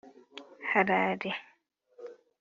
Harare